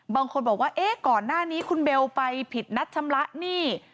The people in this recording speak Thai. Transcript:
บางคนบอกว่าเอ๊ะก่อนหน้านี้คุณเบลไปผิดนัดชำระหนี้